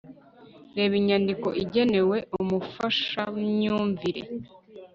reba inyandiko igenewe umufashamyumvire